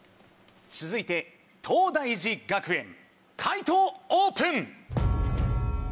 続いて東大寺学園解答オープン！